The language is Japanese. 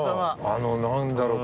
あの何だろう